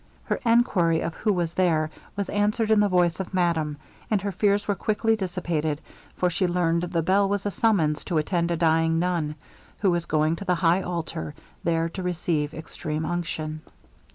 Her enquiry of who was there, was answered in the voice of madame, and her fears were quickly dissipated, for she learned the bell was a summons to attend a dying nun, who was going to the high altar, there to receive extreme unction.